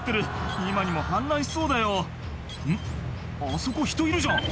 あそこ人いるじゃん」